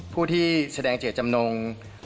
ผู้ที่แสดงเจตจำนง